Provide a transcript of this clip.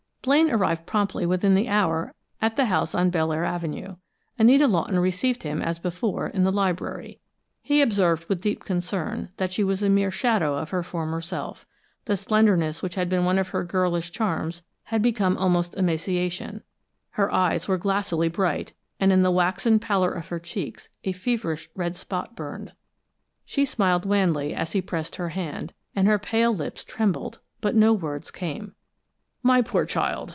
Blaine arrived promptly within the hour at the house on Belleair Avenue. Anita Lawton received him as before in the library. He observed with deep concern that she was a mere shadow of her former self. The slenderness which had been one of her girlish charms had become almost emaciation; her eyes were glassily bright, and in the waxen pallor of her cheeks a feverish red spot burned. She smiled wanly as he pressed her hand, and her pale lips trembled, but no words came. "My poor child!"